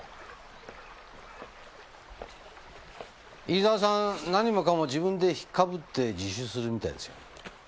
飯沢さん何もかも自分で引っかぶって自首するみたいですよ。